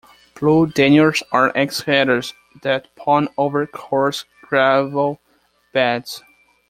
Blue danios are egg-scatterers that spawn over coarse gravel beds.